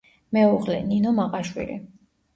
მეუღლე: ნინო მაყაშვილი.